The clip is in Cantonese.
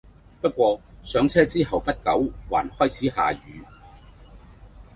不過上車後不久還開始下雨